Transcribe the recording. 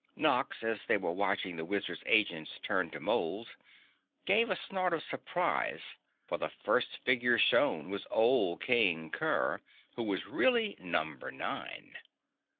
Nox, as they were watching the wizard's agents turn to moles, gave a snort of surprise, for the first figure shown was old King Kerr, who was really Number Nine.